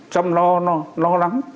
trong lo lắng